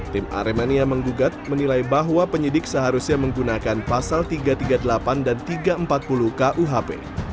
tim aremania menggugat menilai bahwa penyidik seharusnya menggunakan pasal tiga ratus tiga puluh delapan dan tiga ratus empat puluh kuhp